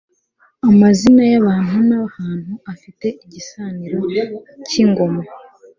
Amazina y'Abantu n'ahantu afite igisanira k'Ingoma